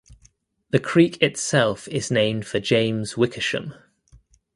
The creek itself is named for James Wickersham.